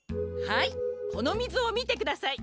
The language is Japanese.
はいこのみずをみてください。